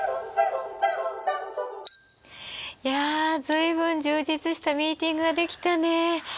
いや随分充実したミーティングができたね。